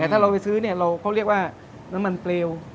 แต่ถ้าเราไปซื้อเขาเรียกว่าน้ำมันเปลว